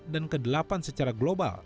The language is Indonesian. dan kedelapan secara global